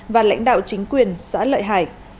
và lãnh đạo chính quyền xã lợi hải